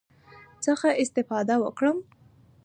څخه استفاده وکړم،